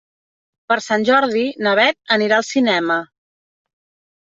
Per Sant Jordi na Beth anirà al cinema.